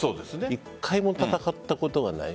１回も戦ったことがない。